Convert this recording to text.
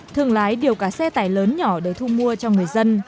thường lái điều cả xe tải lớn nhỏ để thu mua